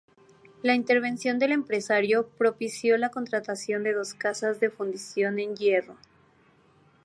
La intervención del empresario propició la contratación de dos casas de fundición en hierro.